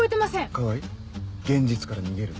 川合現実から逃げるな。